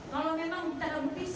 kalau memang dia punya cctv